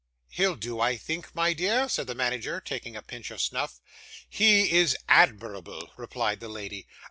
'He'll do, I think, my dear?' said the manager, taking a pinch of snuff. 'He is admirable,' replied the lady.